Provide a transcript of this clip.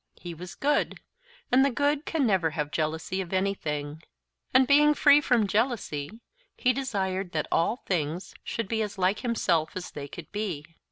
He was good, and the good can never have jealousy of anything. And being free from jealousy, he desired that all things should be as like himself as they could be.